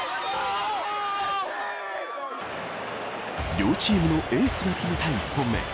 両チームのエースが決めた１本目。